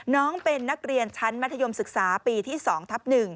น้องเป็นนักเรียนชั้นมัธยมศึกษาปีที่๒ทับ๑